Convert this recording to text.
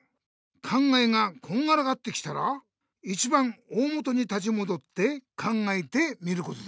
考えがこんがらがってきたらいちばん大もとに立ちもどって考えてみることだ。